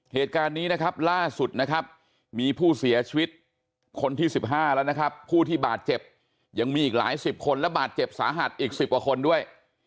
เหตุการณ์นี้นะครับล่าสุดนะครับมีผู้เสียชีวิตคนที่๑๕แล้วนะครับผู้ที่บาดเจ็บยังมีอีกหลายสิบคนและบาดเจ็บสาหัสอีก๑๐กว่าคนด้วย